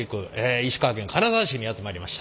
石川県金沢市にやって参りました。